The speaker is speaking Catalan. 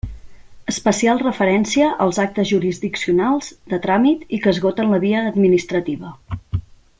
Especial referència als actes jurisdiccionals, de tràmit i que esgoten la via administrativa.